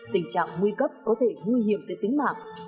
tình trạng nguy cấp có thể nguy hiểm tới tính mạng